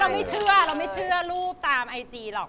อันนี้เราไม่เชื่อรูปตามไอจีหรอก